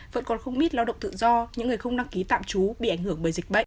vẫn còn không ít lao động tự do những người không đăng ký tạm trú bị ảnh hưởng bởi dịch bệnh